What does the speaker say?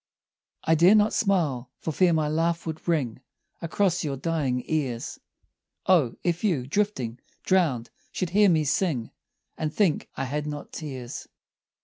I dare not smile for fear my laugh would ring Across your dying ears; O, if you, drifting, drowned, should hear me sing And think I had not tears.